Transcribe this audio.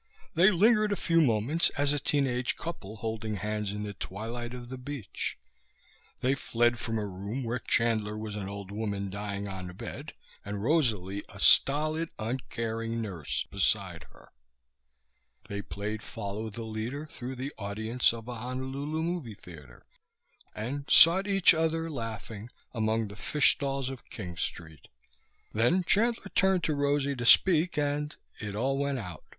They lingered a few moments as a teen age couple holding hands in the twilight of the beach. They fled from a room where Chandler was an old woman dying on a bed, and Rosalie a stolid, uncaring nurse beside her. They played follow the leader through the audience of a Honolulu movie theater, and sought each other, laughing, among the fish stalls of King Street. Then Chandler turned to Rosalie to speak and ... it all went out